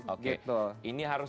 oke ini harus